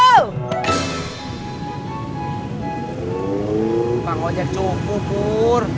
tukang ojek cupu pur